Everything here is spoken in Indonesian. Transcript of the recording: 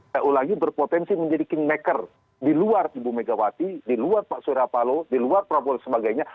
saya ulangi berpotensi menjadi kingmaker di luar ibu megawati di luar pak surya palo di luar prabowo dan sebagainya